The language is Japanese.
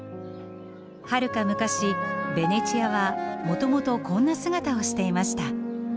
はるか昔ベネチアはもともとこんな姿をしていました。